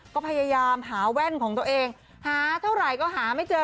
ก็พยายามหาแว่นของตัวเองหาเท่าไหร่ก็หาไม่เจอ